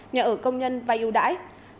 nhà ở công nhân và yêu đãi